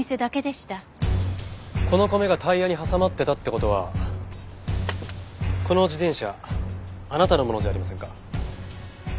この米がタイヤに挟まってたって事はこの自転車あなたのものじゃありませんか？